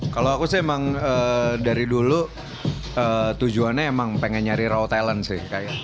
kalau aku sih emang dari dulu tujuannya emang pengen nyari raw talent sih